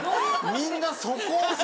みんなそこ？